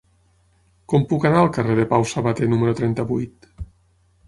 Com puc anar al carrer de Pau Sabater número trenta-vuit?